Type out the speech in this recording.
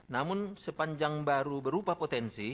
namun sepanjang baru berupa potensi